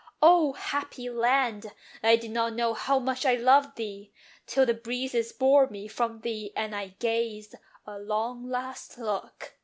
O happy land! I did not know how much I loved thee, till The breezes bore me from thee, and I gazed A long last look.